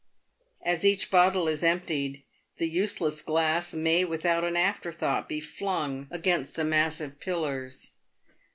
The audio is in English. As each bottle is emptied, the useless glass may, without an after thought, be flung against the massive pillars.